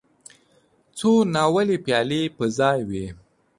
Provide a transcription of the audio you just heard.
څو ناولې پيالې په ځای وې.